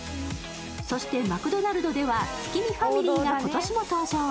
そして、マクドナルドでは月見ファミリーが今年も登場。